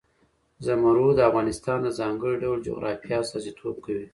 زمرد د افغانستان د ځانګړي ډول جغرافیه استازیتوب کوي.